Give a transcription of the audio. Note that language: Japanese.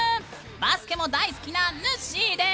バスケも大好きなぬっしーです！